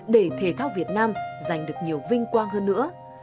để thể thao việt nam giành được nhiều vinh quang hơn nữa